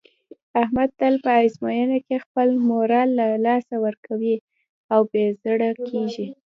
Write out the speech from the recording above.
احمد تل په ازموینه کې خپل مورال له لاسه ورکوي او بې زړه کېږي.